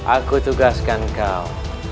aku tugaskan kau